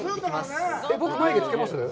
僕、眉毛、つけます？